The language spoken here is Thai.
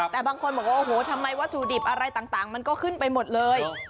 แต่บางคนบอกว่าโอ้โหทำไมวัตถุดิบอะไรต่างมันก็ขึ้นไปหมดเลย